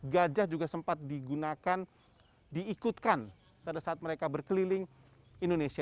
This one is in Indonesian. gajah juga sempat digunakan diikutkan pada saat mereka berkeliling indonesia